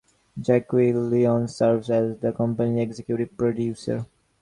Jacqui Lyons serves as the company's executive producer.